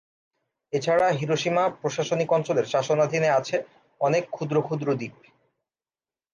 এছাড়া হিরোশিমা প্রশাসনিক অঞ্চলের শাসনাধীনে আছে অনেক ক্ষুদ্র ক্ষুদ্র দ্বীপ।